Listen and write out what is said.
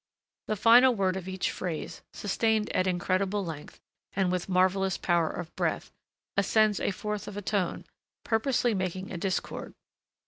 The final word of each phrase, sustained at incredible length, and with marvellous power of breath, ascends a fourth of a tone, purposely making a discord.